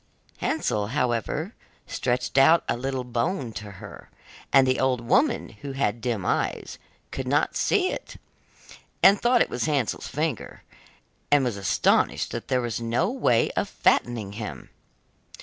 Hansel, however, stretched out a little bone to her, and the old woman, who had dim eyes, could not see it, and thought it was Hansel's finger, and was astonished that there was no way of fattening him.